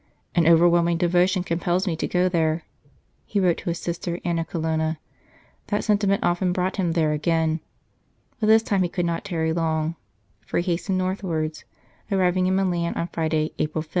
"An overwhelming devotion compels me to go there," he wrote to his sister, Anna Colonna. That sentiment often brought him there again, but this time he could not tarry long, so he hastened northwards, arriving in Milan on Friday, April 5.